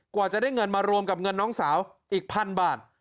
กว่าจะได้เงินมารวมกับเงินน้องสาวอีกพันบาท